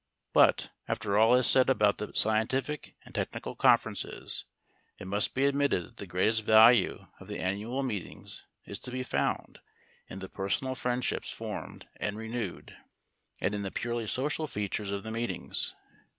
But, after all is said about the scientific and technical conferences, it must be admitted that the greatest value of the annual meetings is to be found in the personal friendships formed and renewed, and in the purely social features of the meetings.